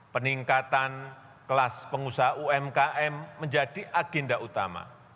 peningkatan kelas pengusaha umkm menjadi agenda utama